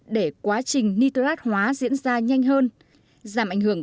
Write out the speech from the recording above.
để quá trình nitrat hóa diễn ra nhanh hơn giảm ảnh hưởng